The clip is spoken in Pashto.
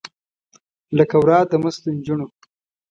لکه ورا د مستو نجونو